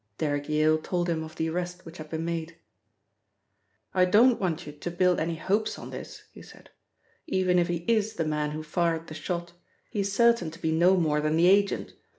Derrick Yale told him of the arrest which had been made. "I don't want you to build any hopes on this," he said, "even if he is the man who fired the shot, he is certain to be no more than the agent.